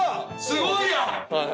すごいやん。